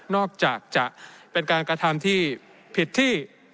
จะเป็นการกระทำที่ผิดที่